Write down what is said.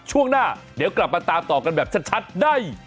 ช่วงหน้าเดี๋ยวกลับมาตามต่อกันแบบชัดได้